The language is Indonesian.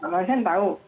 pak yasin tahu